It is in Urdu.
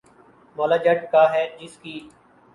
’مولا جٹ‘ کا ہے جس کی